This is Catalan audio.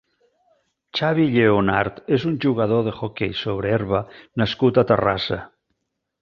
Xavi Lleonart és un jugador d'hoquei sobre herba nascut a Terrassa.